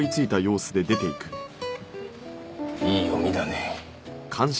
いい読みだねぇ。